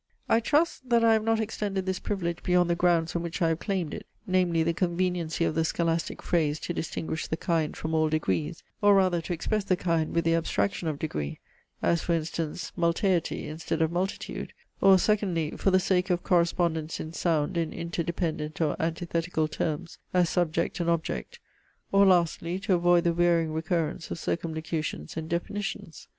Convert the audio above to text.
I trust, that I have not extended this privilege beyond the grounds on which I have claimed it; namely, the conveniency of the scholastic phrase to distinguish the kind from all degrees, or rather to express the kind with the abstraction of degree, as for instance multeity instead of multitude; or secondly, for the sake of correspondence in sound in interdependent or antithetical terms, as subject and object; or lastly, to avoid the wearying recurrence of circumlocutions and definitions.